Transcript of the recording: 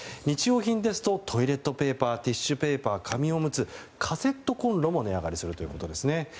日用品ですとトイレットペーパーティッシュペーパー紙おむつ、カセットコンロも値上がりするということですね。